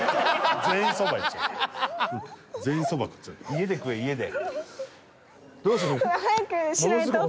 家で食え家で。